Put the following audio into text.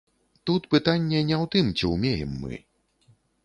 Тут пытанне не ў тым, ці ўмеем мы.